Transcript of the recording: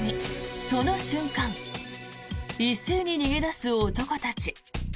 その瞬間一斉に逃げ出す男たち。